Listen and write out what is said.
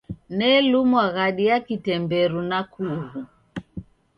Nelumwa ghadi ya kitemberu na kughu.